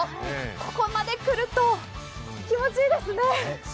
ここまで来ると気持ちいいですね。